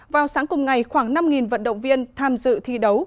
vào sáng cùng ngày khoảng năm vận động viên tham dự thi đấu